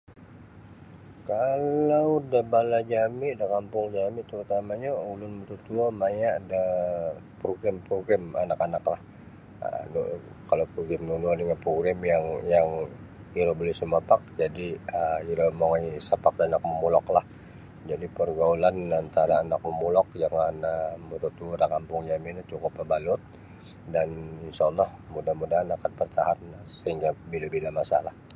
Kalau da balah jami da kampung jami tarutamanyo ulun mututuo maya da progrim-progrim anak-anaklah um nu kalau progrim nunu oni nga progrim yang yang iro buli sumapak jadi iro mongoi sapaklah da anak-anak momuloklah jadi pergaulan antara anak-anak momulok jangan mututuo da kampung jami no cukup mabalut dan insha Allah mudah mudahan akan bertahan bila-bila masalah.